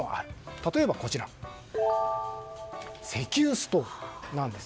例えば、石油ストーブなんです。